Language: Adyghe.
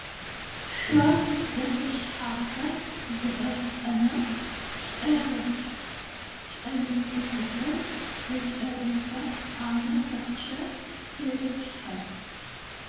Шъо зэфэшъхьафхэр зиӏэ плӏэнэбз плӏырыплӏ кӏэлэцӏыкӏухэр зыкӏэрысхэ ӏанэ пэпчъы тырелъхьэ.